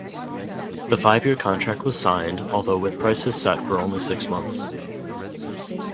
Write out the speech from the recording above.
The five-year contract was signed, although with prices set for only six months.